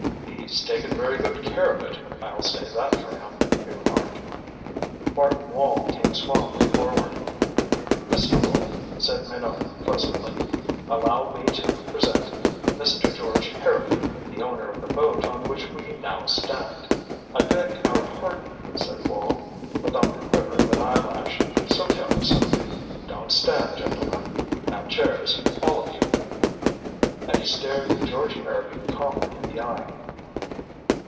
"He's taken very good care of it I'll say that for him," he remarked. Martin Wall came suavely forward. "Mr. Wall," said Minot pleasantly, "allow me to present Mr. George Harrowby, the owner of the boat on which we now stand." "I beg our pardon," said Wall, without the quiver of an eyelash. "So careless of me. Don't stand, gentlemen. Have chairs all of you." And he stared George Harrowby calmly in the eye.